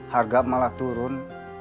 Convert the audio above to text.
harga malah turun